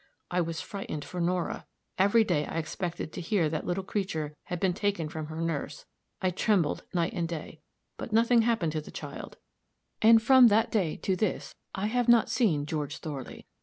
I was frightened for Nora. Every day I expected to hear that the little creature had been taken from her nurse; I trembled night and day; but nothing happened to the child, and from that day to this I have not seen George Thorley.